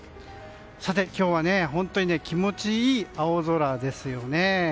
さて、今日は本当に気持ちいい青空ですよね。